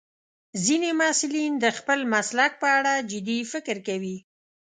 ځینې محصلین د خپل مسلک په اړه جدي فکر کوي.